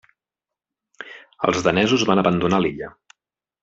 Els danesos van abandonar l'illa.